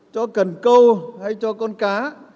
cho cần câu hay cho con cá